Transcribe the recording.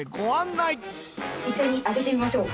一緒に上げてみましょう。